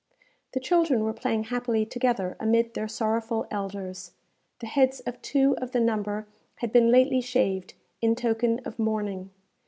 The children were playing happily together amid their sorrowful elders. The heads of two of the number had been lately shaved, in token of mourning.